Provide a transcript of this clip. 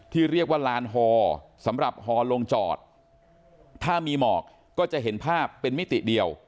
ที่เรียกว่าลานฮอสำหรับฮอลงจอดถ้ามีหมอกก็จะเห็นภาพเป็นมิติเดียว